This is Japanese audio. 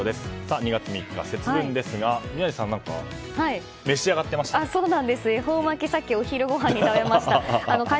２月３日、節分ですが宮司さん何か召し上がってました？